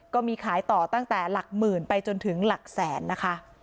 ก็มีขายต่อตั้งแต่หลักหมื่นไปจนถึงหลักแสนนะคะ